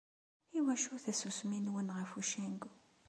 Iwacu tasusmi-nwen ɣef ucengu?.